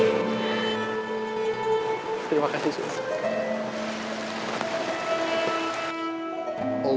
terima kasih suhaim